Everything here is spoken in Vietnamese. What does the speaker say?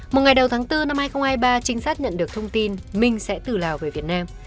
một ngày đầu tháng bốn năm hai nghìn hai mươi ba trinh sát nhận được thông tin minh sẽ từ lào về việt nam